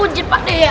uh jin pak deh ya